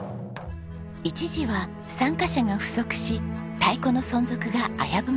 一時は参加者が不足し太鼓の存続が危ぶまれました。